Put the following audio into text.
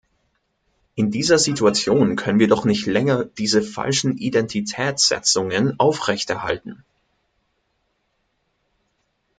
In dieser Situation können wir doch nicht länger diese falschen Identitätsetzungen aufrechterhalten.